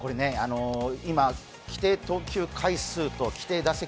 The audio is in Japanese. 今、規定投球回数と規定打席